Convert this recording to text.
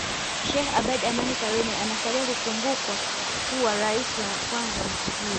Sheikh Abeid Amani Karume anasalia kukumbukwa kuwa rais wa kwanza wa nchi hiyo